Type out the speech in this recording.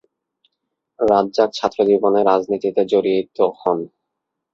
রাজ্জাক ছাত্রজীবনে রাজনীতিতে জড়িত হন।